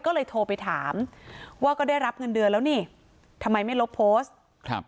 ก็เลยโทรไปถามว่าก็ได้รับเงินเดือนแล้วนี่ทำไมไม่ลบโพสต์ครับ